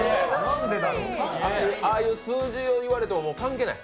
ああいう数字を言われても関係ない？